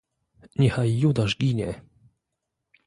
"Niechaj Judasz ginie!"